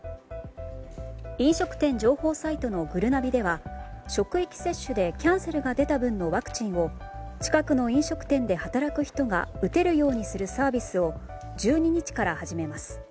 飲食店情報サイトのぐるなびでは職域接種でキャンセルが出た分のワクチンを近くの飲食店で働く人が打てるようにするサービスを１２日から始めます。